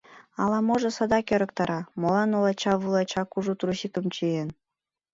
Ала-можо садак ӧрыктара: молан олача-вулача кужу трусикым чиен?